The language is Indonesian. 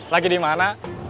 lagi di mana